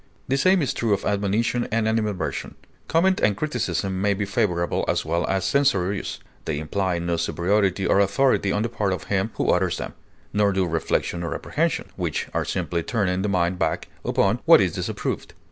The same is true of admonition and animadversion. Comment and criticism may be favorable as well as censorious; they imply no superiority or authority on the part of him who utters them; nor do reflection or reprehension, which are simply turning the mind back upon what is disapproved.